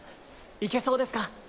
いけそうですか？